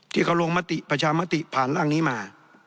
ที่เขาลงมติประชามติผ่านร่างนี้มา